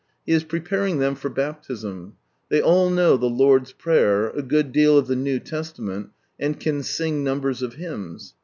He is preparing them for Baptism; they all know the Lord's Prayer, a good deal of the New Testament, and can sing numbers of hymns.